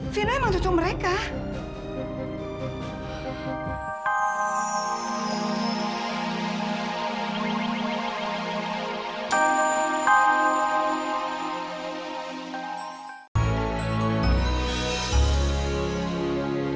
vino tanggung jawab mereka sekarang